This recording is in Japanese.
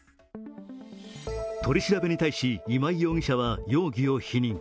取り調べに対し、今井容疑者は容疑を否認。